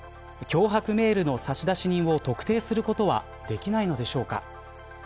脅迫メールの差出人を特定することはできないのでしょうか。